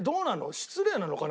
失礼なのかな？